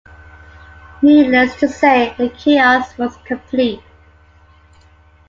Needless to say, the chaos was complete.